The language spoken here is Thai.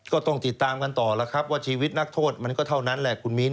ก็ต้องติดตามกันต่อแล้วครับว่าชีวิตนักโทษมันก็เท่านั้นแหละคุณมิ้น